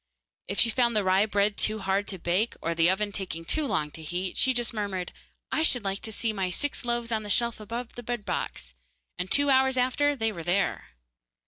If she found the rye bread too hard to bake, or the oven taking too long to heat, she just murmured, 'I should like to see my six loaves on the shelf above the bread box,' and two hours after there they were.